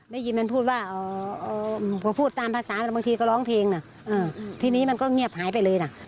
ได้ยินมันพูดว่าพอพูดตามภาษาแต่บางทีก็ร้องเพลงนะทีนี้มันก็เงียบหายไปเลยนะ